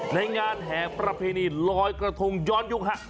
ในงานแห่ประเพณีลอยกระทงย้อนยุคฮะ